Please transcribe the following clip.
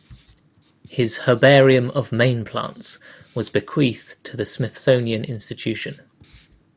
His herbarium of Maine plants was bequeathed to the Smithsonian Institution.